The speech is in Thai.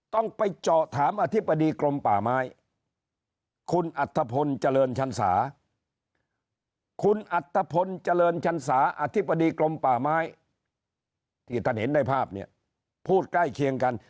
ต้องไปเจาะถามอธิบดีกรมป่าไม้คุณอัธพลเจริญชันสาคุณอัตภพลเจริญชันสาอธิบดีกรมป่าไม้ที่ท่านเห็นได้ภาพเนี่ยพูดใกล้เคียงกัน